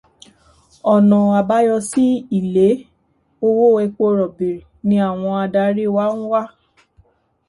Ọ̀nà àbáyọ sí èlé owó epo rọ̀bì ni àwọn adarí wa ń wá.